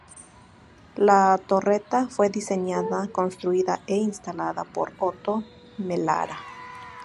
La torreta fue diseñada, construida e instalada por Oto Melara.